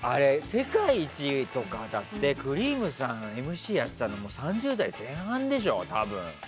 「世界一」とかだってくりぃむさんとかがＭＣやってたのはもう３０代前半でしょ、多分。